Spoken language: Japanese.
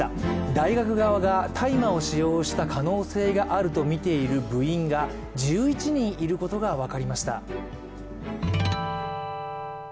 大学側が大麻を使用した可能性があるとみている部員が１１人いることが分かりました。